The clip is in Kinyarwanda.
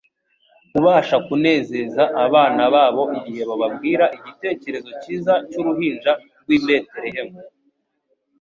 kubasha kunezeza abana babo igihe bababwira igitekerezo cyiza cy'uruhinja rw'i Betelehemu,